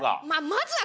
まずは。